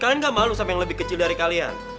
kalian gak malu sama yang lebih kecil dari kalian